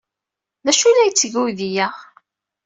D acu ay la yetteg uydi-a?